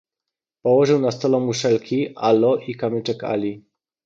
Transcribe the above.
"Położył na stole muszelki Alo i kamyczek Ali."